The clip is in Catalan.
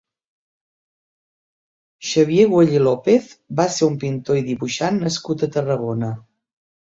Xavier Güell i López va ser un pintor i dibuixant nascut a Tarragona.